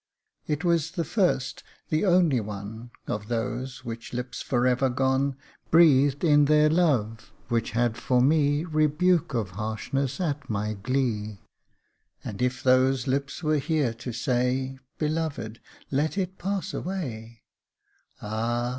175 It was the first, the only one Of those which lips for ever gone Breathed in their love which had for me Rebuke of harshness at my glee : And if those lips were here to say, " Beloved, let it pass away,"" Ah